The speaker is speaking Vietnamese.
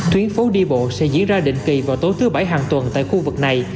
tuyến phố đi bộ sẽ diễn ra định kỳ vào tối thứ bảy hàng tuần tại khu vực này